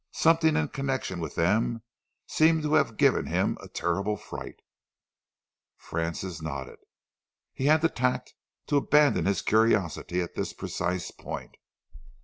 Something in connection with them seemed to have given him a terrible fright." Francis nodded. He had the tact to abandon his curiosity at this precise point.